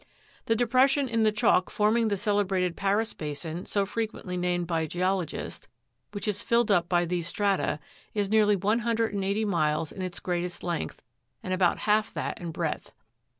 8. The depression in the chalk forming the celebrated Paris basin so frequently named by geologists, which is filled up by these strata, is nearly one hundred and eighty miles in its greatest length, and about half that in breadth.